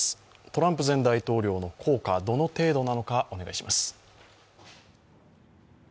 トランプ前大統領の効果、どの程度なのかお願いします。